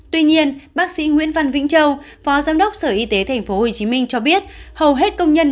tuy nhiên bác sĩ nguyễn văn vĩnh châu phó giám đốc sở y tế tp hcm cho biết hầu hết công nhân